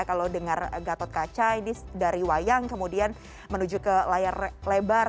kalau dengar gatot kaca ini dari wayang kemudian menuju ke layar lebar